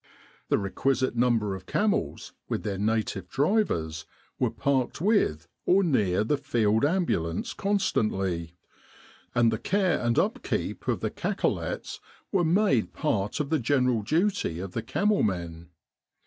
The requisite number of camels, with their native drivers, were parked with or near the Field Ambulance constantly ; and the care and upkeep of the cacolets were made part of the general duty of the camel men.